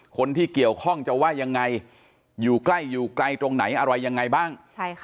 คนที่เกี่ยวข้องจะว่ายังไงอยู่ใกล้อยู่ไกลตรงไหนอะไรยังไงบ้าง